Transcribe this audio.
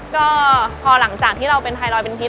ก็พอหลังจากที่เราเป็นไทรอยด์เป็นพิษ